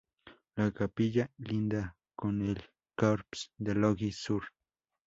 La capilla linda con el corps de logis sur.